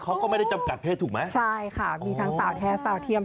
เขาก็ไม่ได้จำกัดเพศถูกไหมใช่ค่ะมีทั้งสาวแท้สาวเทียม